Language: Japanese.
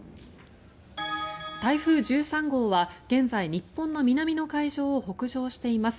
台風１３号は現在、日本の南の海上を北上しています。